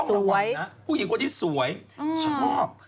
ผู้หญิงต้องหลักไว้นะผู้หญิงสวยชอบ